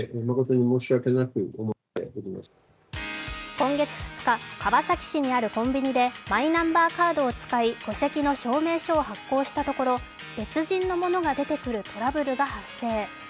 今月２日、川崎市にあるコンビニでマイナンバーカードを使い戸籍の証明書を発行したところ別人のものが出てくるトラブルが発生。